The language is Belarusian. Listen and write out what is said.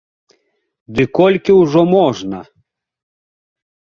Ды колькі ўжо можна?